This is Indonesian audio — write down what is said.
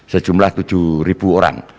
sejumlah tujuh orang